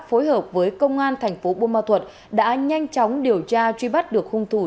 phối hợp với công an thành phố bô ma thuật đã nhanh chóng điều tra truy bắt được hung thủ